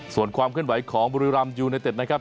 ส่วนความเคลื่อนไหวของบุรีรำยูไนเต็ดนะครับ